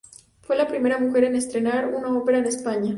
Fue la primera mujer en estrenar una ópera en España.